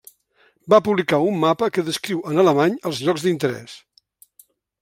Va publicar un mapa que descriu en alemany els llocs d'interès.